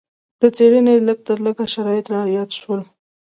د څېړنې لږ تر لږه شرایط رعایت شول.